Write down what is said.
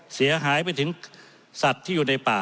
เสียหายไปถึงสัตว์ที่อยู่ในป่า